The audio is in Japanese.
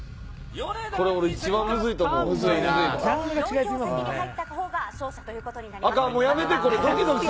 ４票先に入ったほうが勝者ということになります。